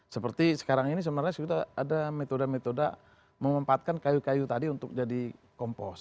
seperti sekarang ini sebenarnya sudah ada metode metode memempatkan kayu kayu tadi untuk jadi kompos